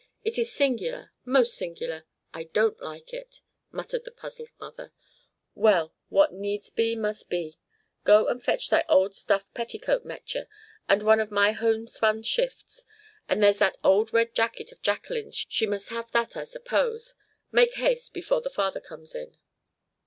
It is singular, most singular. I don't like it!" muttered the puzzled mother. "Well, what needs be must be. Go and fetch thy old stuff petticoat, Metje, and one of my homespun shifts, and there's that old red jacket of Jacqueline's, she must have that, I suppose. Make haste, before the father comes in."